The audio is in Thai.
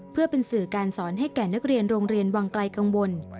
เพื่อเป็นสื่อการสอนให้แก่นักเรียนโรงเรียนวังไกลกังวล